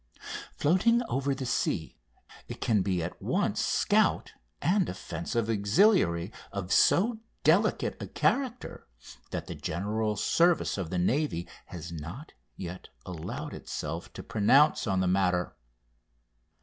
"Floating over the sea, it can be at once scout and offensive auxiliary of so delicate a character that the general service of the navy has not yet allowed itself to pronounce on the matter.